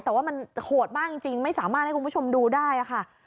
แต่ว่ามันโหดมากจริงไม่สามารถให้คุณผู้ชมดูได้ค่ะ